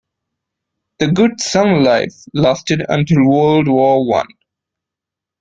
The good summer life lasted until World War One.